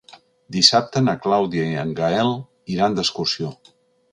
Dissabte na Clàudia i en Gaël iran d'excursió.